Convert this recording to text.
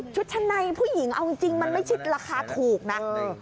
ชั้นในผู้หญิงเอาจริงมันไม่ใช่ราคาถูกนะ